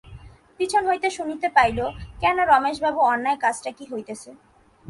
পিছন হইতে শুনিতে পাইল, কেন রমেশবাবু, অন্যায় কাজটা কী হইতেছে?